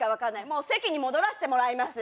もう席に戻らせてもらいます